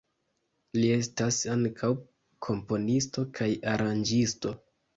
Li estas ankaŭ komponisto kaj aranĝisto.